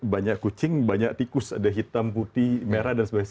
banyak kucing banyak tikus ada hitam putih merah dan sebagainya